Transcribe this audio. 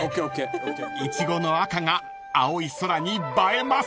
［イチゴの赤が青い空に映えます］